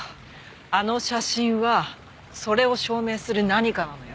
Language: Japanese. あの写真はそれを証明する何かなのよ。